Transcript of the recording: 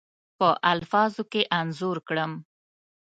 په الفاظو کې انځور کړم.